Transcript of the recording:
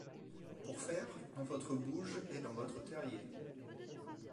Pour faire, en votre bouge et dans votre terrier